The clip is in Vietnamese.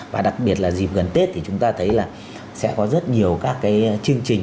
và đặc biệt là dịp gần tết thì chúng ta thấy là sẽ có rất nhiều các cái chương trình